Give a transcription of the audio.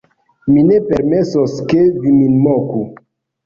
mi ne permesos, ke vi min moku!